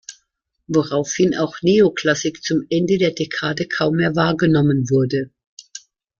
Woraufhin auch Neoklassik zum Ende der Dekade kaum mehr wahrgenommen wurde.